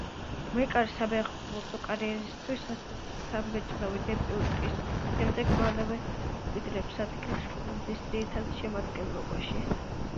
მეკარის საფეხბურთო კარიერისთვის ასეთი შთამბეჭდავი დებიუტის შემდეგ მალევე იმკვიდრებს ადგილს გუნდის ძირითად შემადგენლობაში.